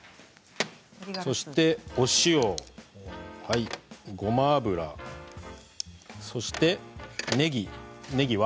そしてお塩ごま油、そしてねぎねぎは。